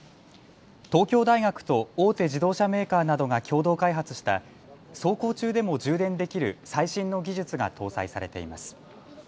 東京大学と大手自動車メーカーなどが共同開発した走行中でも充電できる最新の技術が搭載されています。